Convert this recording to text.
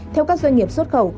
theo các doanh nghiệp xuất khẩu